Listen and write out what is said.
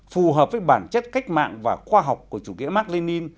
phù hợp với bản chất cách mạng và khoa học của chủ nghĩa mạc lê ninh